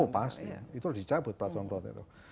oh pasti itu harus dicabut peraturan peraturan itu